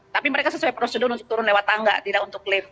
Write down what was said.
tapi mereka sesuai prosedur untuk turun lewat tangga tidak untuk lift